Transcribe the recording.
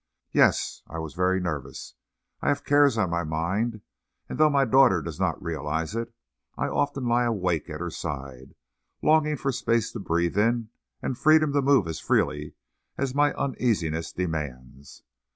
"Yes; I was very nervous. I have cares on my mind, and, though my daughter does not realize it, I often lie awake at her side, longing for space to breathe in and freedom to move as freely as my uneasiness demands.